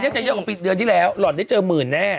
จะเยอะกว่าปีเดือนที่แล้วหล่อนได้เจอหมื่นแน่